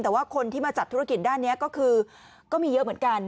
แต่ว่าคนที่มาจัดธุรกิจด้านนี้ก็คือก็มีเยอะเหมือนกัน